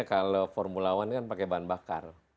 kalau formula one kan pakai bahan bakar